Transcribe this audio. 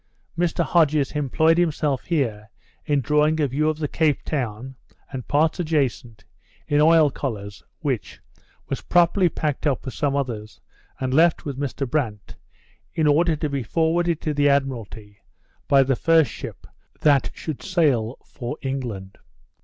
Mr Hodges employed himself here in drawing a view of the Cape, town, and parts adjacent, in oil colours, which, was properly packed up with some others, and left with Mr Brandt, in order to be forwarded to the Admiralty by the first ship that should sail for England.